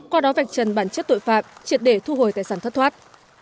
qua đó vạch trần bản chất tội phạm triệt để thu hồi tài sản thất thoát